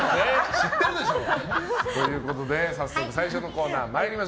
知ってるでしょ！ということで、早速最初のコーナー私たち